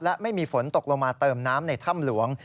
และไม่มีฝนตกลงมาเติมน้ำในถ้ำหลวง